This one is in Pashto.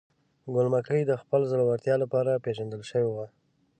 ګل مکۍ د خپل زړورتیا لپاره پیژندل شوې وه.